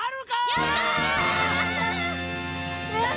やった！